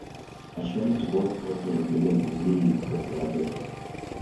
A surety bond also replaces the need for collateral.